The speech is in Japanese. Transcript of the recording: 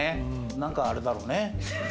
何かあれだろうね。